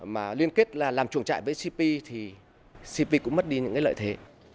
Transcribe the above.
mà liên kết là làm chuồng trại với cp thì cp cũng mất đi những cái lợi thế